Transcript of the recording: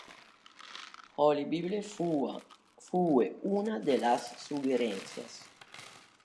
Holy Bible fue una de las sugerencias.